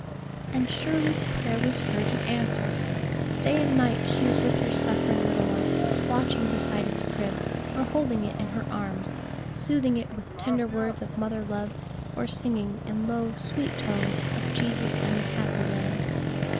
And surely the prayer was heard and answered; day and night she was with her suffering little one, watching beside its crib, or holding it in her arms, soothing it with tender words of mother love, or singing, in low sweet tones, of Jesus and the happy land.